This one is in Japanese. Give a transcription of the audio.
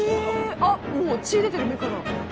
「あっもう血出てる目から」